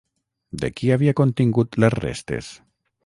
De qui havia contingut les restes?